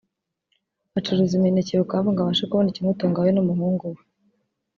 acuruza imineke i Bukavu ngo abashe kubona ikimutunga we n’umuhungu we